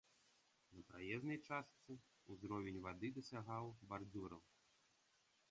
На праезнай частцы ўзровень вады дасягаў бардзюраў.